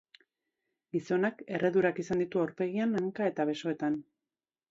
Gizonak erredurak izan ditu aurpegian, hanka eta besoetan.